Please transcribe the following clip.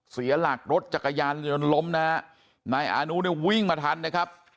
เสียหลักรถจักรยานยนต์ล้มนะฮะนายอานุเนี่ยวิ่งมาทันนะครับ